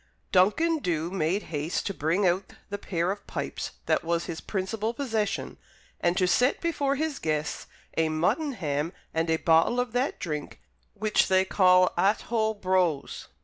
Duncan Dhu made haste to bring out the pair of pipes that was his principal possession, and to set before his guests a muttonham and a bottle of that drink which they call Athole brose.